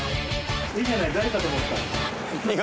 いいじゃない誰かと思った。